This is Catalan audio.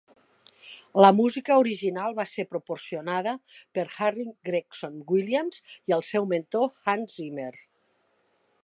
La música original va ser proporcionada per Harry Gregson-Williams i el seu mentor Hans Zimmer.